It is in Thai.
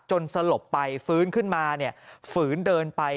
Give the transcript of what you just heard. สลบไปฟื้นขึ้นมาฝืนเดินไป